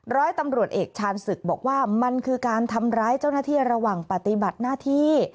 ร้อยตำรวจเอกชาญศึกบอกว่ามันคือการทำร้ายเจ้าหน้าที่ระหว่างปฏิบัติหน้าที่